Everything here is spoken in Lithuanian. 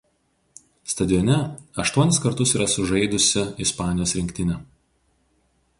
Stadione aštuonis kartus yra sužaidusi Ispanijos rinktinė.